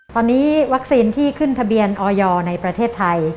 ตอนนี้วัคซีนที่ขึ้นทะเบียนออยในประเทศไทย